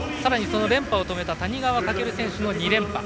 その連覇を止めた谷川翔選手の２連覇。